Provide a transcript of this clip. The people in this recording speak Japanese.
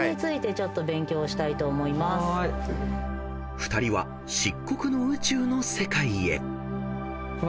［２人は漆黒の宇宙の世界へ］